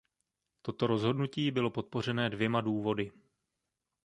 Toto rozhodnutí bylo podpořené dvěma důvody.